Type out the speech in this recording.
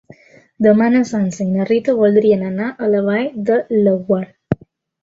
Demà na Sança i na Rita voldrien anar a la Vall de Laguar.